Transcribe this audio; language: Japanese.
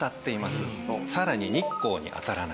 さらに日光に当たらない。